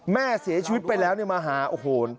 แม่เสียชีวิตไปแล้วมาหาโอ้โห